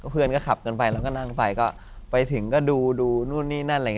เพื่อนก็ขับกันไปแล้วก็นั่งไปก็ไปถึงก็ดูนู่นนี่นั่นอะไรอย่างนี้